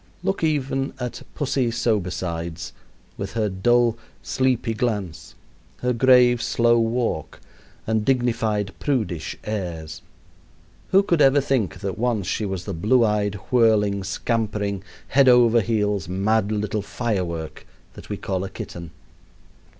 Look even at Pussy Sobersides, with her dull, sleepy glance, her grave, slow walk, and dignified, prudish airs; who could ever think that once she was the blue eyed, whirling, scampering, head over heels, mad little firework that we call a kitten?